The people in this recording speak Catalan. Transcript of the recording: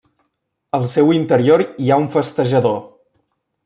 Al seu interior hi ha un festejador.